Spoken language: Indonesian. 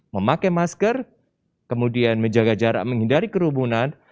memakai masker kemudian menjaga jarak menghindari kerumunan